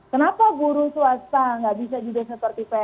kenapa buru swasta tidak bisa juga seperti pns pni polri